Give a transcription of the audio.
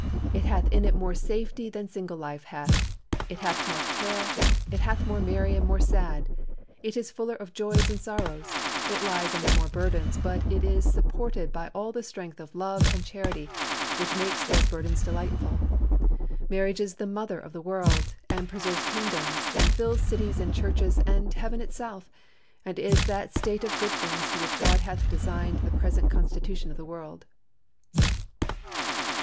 It hath in it more safety than single life hath; it hath more care; it is more merry and more sad; it is fuller of joys and sorrows; it lies under more burdens, but it is supported by all the strength of love and charity, which makes those burdens delightful. Marriage is the mother of the world, and preserves kingdoms, and fills cities and churches and heaven itself, and is that state of good things to which God hath designed the present constitution of the world."